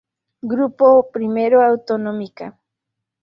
Grupo I Autonómica.